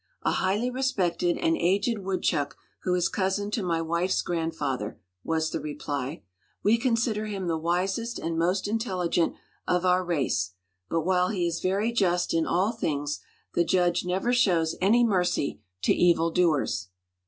"A highly respected and aged woodchuck who is cousin to my wife's grandfather," was the reply. "We consider him the wisest and most intelligent of our race; but, while he is very just in all things, the judge never shows any mercy to evil doers."